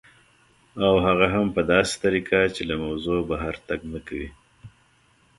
او هغه هم په داسې طریقه چې له موضوع بهر تګ نه کوي